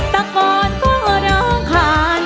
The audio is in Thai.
แต่ก่อนก็ร้องคาน